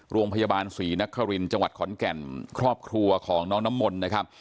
โรงพยาบาลศรีนครินทร์จังหวัดขอนแก่นครอบครัวของน้องน้ำมนต์นะครับ